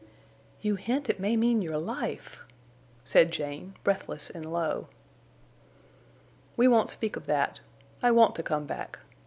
"You hint it may mean your life!" said Jane, breathless and low. "We won't speak of that. I want to come back.